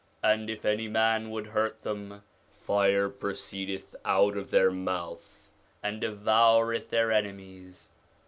And if any man would hurt them, fire proceedeth out of their mouth and devoureth their enemies.'